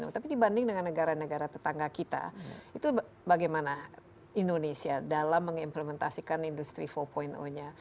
tapi dibanding dengan negara negara tetangga kita itu bagaimana indonesia dalam mengimplementasikan industri empat nya